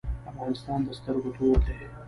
افغانستان د سترګو تور دی؟